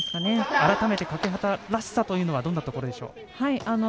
改めて欠端らしさとはどんなところでしょう？